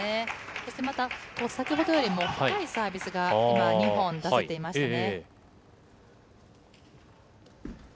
そしてまた、先ほどよりも深いサービスが今、２本出せていましたね。